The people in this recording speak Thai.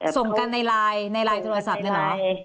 ส่งกันในไลน์ในไลน์โทรศัพท์เลยเหรอ